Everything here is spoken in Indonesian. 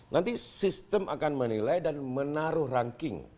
nanti sistem akan menilai dan menaruh ranking